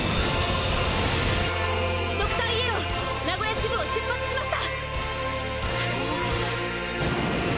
ドクターイエロー名古屋支部を出発しました！